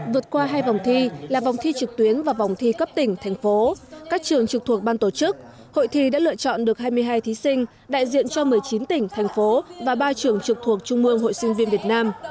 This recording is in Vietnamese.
vượt qua hai vòng thi là vòng thi trực tuyến và vòng thi cấp tỉnh thành phố các trường trực thuộc ban tổ chức hội thi đã lựa chọn được hai mươi hai thí sinh đại diện cho một mươi chín tỉnh thành phố và ba trường trực thuộc trung mương hội sinh viên việt nam